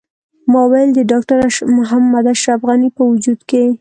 ما ویل د ډاکټر محمد اشرف غني په وجود کې.